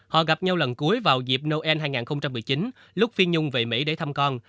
họ gặp nhau lần cuối vào dịp noel hai nghìn một mươi chín lúc phi nhung về mỹ để thăm con